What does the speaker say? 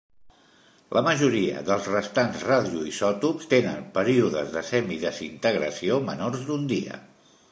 La majoria dels restants radioisòtops tenen períodes de semidesintegració menors d'un dia.